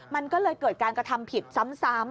มันก็เลยเกิดการกระทำผิดซ้ำ